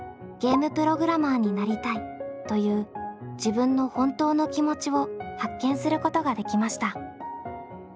「ゲームプログラマーになりたい」という自分の本当の気持ちを発見することができました。